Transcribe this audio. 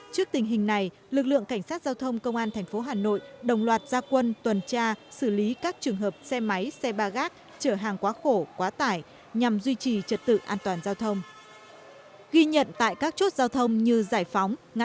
trước tình hình này lực lượng cảnh sát giao thông công an tp hà nội đồng loạt gia quân tuần tra xử lý các trường hợp xe máy xe ba gác trở hàng quá khổ quá tải nhằm duy trì trật tự an toàn giao thông